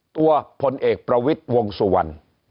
พลเอกประวิทย์วงสุวรรณ